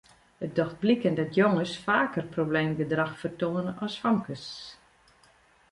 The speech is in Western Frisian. It docht bliken dat jonges faker probleemgedrach fertoane as famkes.